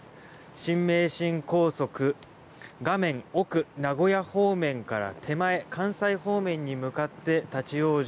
新名神高速画面奥、名古屋方面から手前、関西方面に向かって立ち往生。